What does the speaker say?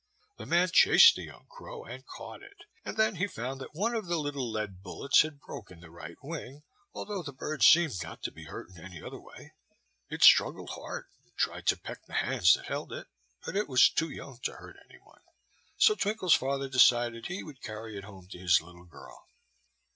The man chased the young crow, and caught it; and then he found that one of the little lead bullets had broken the right wing, although the bird seemed not to be hurt in any other way. It struggled hard, and tried to peck the hands that held it; but it was too young to hurt any one, so Twinkle's father decided he would carry it home to his little girl.